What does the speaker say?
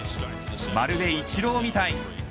まるでイチローみたい。